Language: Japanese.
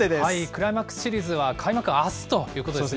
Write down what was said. クライマックスシリーズは、開幕あすということですね。